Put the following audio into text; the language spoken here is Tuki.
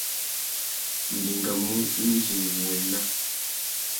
Nʼdingamú indi ngu wô ena.